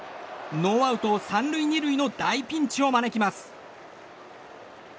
ノーアウト３塁２塁の大ピンチを招きます。